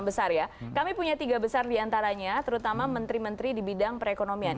besar ya kami punya tiga besar diantaranya terutama menteri menteri di bidang perekonomian